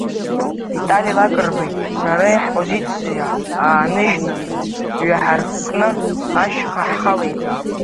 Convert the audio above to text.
Виталик Лакрбеи сареи ҳпозициа ааныжьны, иҩаҳаракны ашьха ҳхалеит.